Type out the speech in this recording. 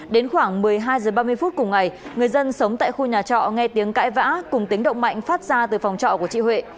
đến khoảng một mươi hai h ba mươi phút cùng ngày người dân sống tại khu nhà trọ nghe tiếng cãi vã cùng tiếng động mạnh phát ra từ phòng trọ của chị huệ